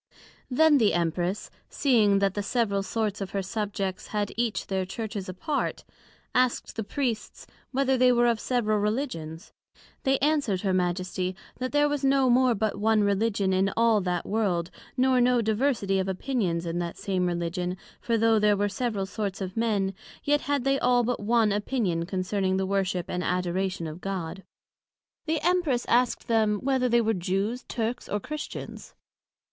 Then the Empress seeing that the several sorts of her Subjects had each their Churches apart, asked the Priests, whether they were of several Religions? They answered her Majesty, That there was no more but one Religion in all that World, nor no diversity of opinions in that same Religion for though there were several sorts of men, yet had they all but one opinion concerning the Worship and Adoration of God. The Empress asked them, Whether they were Jews, Turks, or Christians?